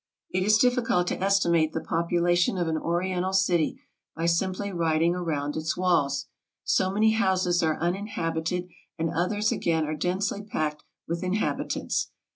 It is difficult to estimate the population of an Oriental city by simply riding around its walls ; so many houses are uninhabited, and others again are densely packed with in habitants.